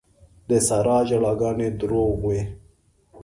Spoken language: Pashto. د سارا ژړاګانې دروغ وې.